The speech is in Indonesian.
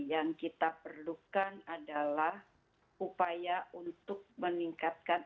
yang kita perlukan adalah upaya untuk meningkatkan